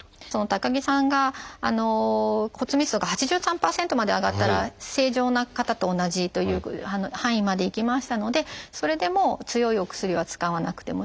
高木さんが骨密度が８３％まで上がったら正常な方と同じという範囲までいきましたのでそれでもう強いお薬は使わなくてもいいという